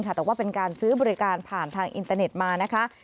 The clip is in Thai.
แต่ว่าเป็นการซื้อบริการผ่านทางอินเตอร์เน็ตมานะคะ